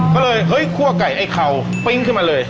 ก็เลยเฮ้ยคั่วไก่ไอ้เข่าปิ้งขึ้นมาเลย